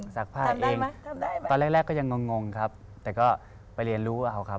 ทำได้มั้ยตอนแรกก็ยังงงครับแต่ก็ไปเรียนรู้เองครับ